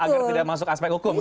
agar tidak masuk aspek hukum